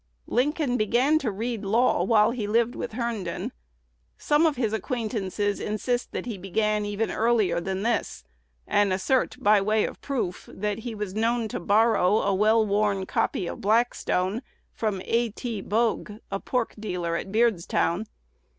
Lincoln began to read law while he lived with Herndon. Some of his acquaintances insist that he began even earlier than this, and assert, by way of proof, that he was known to borrow a well worn copy of Blackstone from A. T. Bogue, a pork dealer at Beardstown.